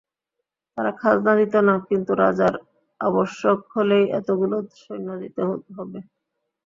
তারা খাজনা দিত না, কিন্তু রাজার আবশ্যক হলেই এতগুলো সৈন্য দিতে হবে।